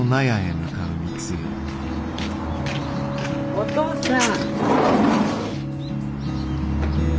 お父さん。